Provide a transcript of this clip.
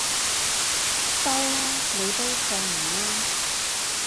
收啦，你都唱唔啱